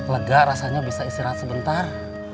lega rasanya bisa istirahat sebentar